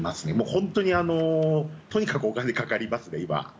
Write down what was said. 本当にとにかくお金がかかりますね、今。